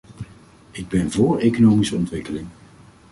Ik ben voor economische ontwikkeling.